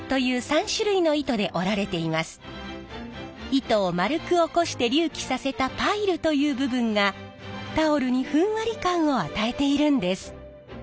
糸を丸く起こして隆起させたパイルという部分がタオルにふんわり感を与えているんです。